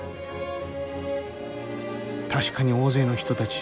確かに大勢の人たち。